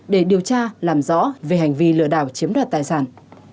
để điều tra làm rõ về hành vi lừa đảo chiếm đoạt tài sản